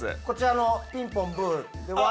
こちらのピンポンブー。